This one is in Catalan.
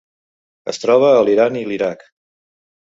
Es troba a l'Iran i l'Iraq.